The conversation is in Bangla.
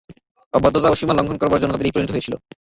অবাধ্যতা ও সীমালংঘন করবার জন্যই তাদের এই পরিণতি হয়েছিল।